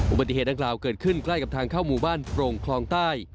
อุบัติเหตุดังกล่าวเกิดขึ้นใกล้กับทางเข้าหมู่บ้านโปร่งคลองใต้